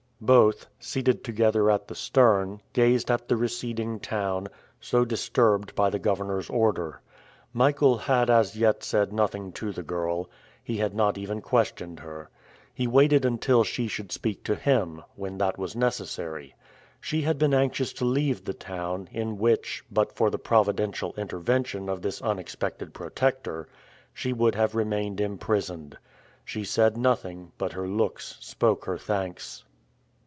Both, seated together at the stern, gazed at the receding town, so disturbed by the governor's order. Michael had as yet said nothing to the girl, he had not even questioned her. He waited until she should speak to him, when that was necessary. She had been anxious to leave that town, in which, but for the providential intervention of this unexpected protector, she would have remained imprisoned. She said nothing, but her looks spoke her thanks.